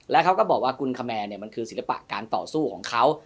แล้วเขาก็บอกว่ากุลคแมนมันคือศิลปะการต่อสู้ของเขา